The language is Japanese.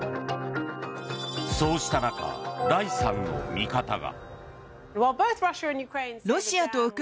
そうした中、第３の見方が。